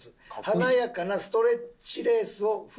華やかなストレッチレースをフルに使用。